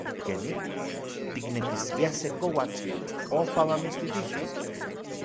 ¡Keni! ¿tiknekiskia se koatl ojpa mamitstitixo?